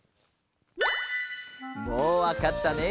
もうわかったね？